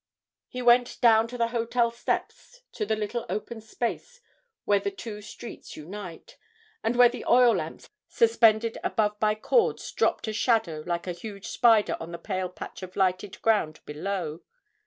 He went down to the hotel steps to the little open space where the two streets unite, and where the oil lamp suspended above by cords dropped a shadow like a huge spider on the pale patch of lighted ground below.